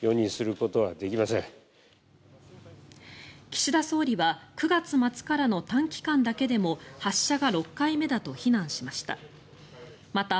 岸田総理は９月末からの短期間だけでも発射が６回目だと非難しました。